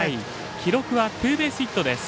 記録はツーベースヒット。